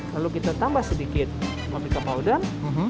lalu kita tambah sedikit paprika powder